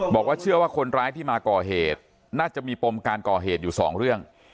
บอกว่าเชื่อว่าคนร้ายที่มาก่อเหตุน่าจะมีปมการก่อเหตุอยู่สองเรื่อง